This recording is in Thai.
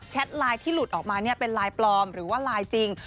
ไลน์ที่หลุดออกมาเป็นไลน์ปลอมหรือว่าไลน์จริง